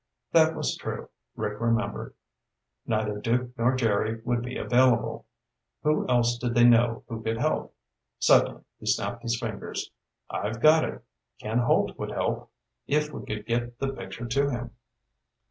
That was true, Rick remembered. Neither Duke nor Jerry would be available. Who else did they know who could help? Suddenly he snapped his fingers. "I've got it! Ken Holt would help, if we could get the picture to him."